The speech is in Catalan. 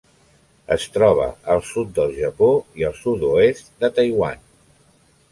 Es troba al sud del Japó i al sud-oest de Taiwan.